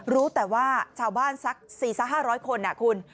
รู้แต่ว่าชาวบ้านสัก๔๕๐๐คนคุณ